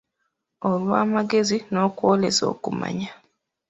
Olw’amagezi n’okwolesa okumanya.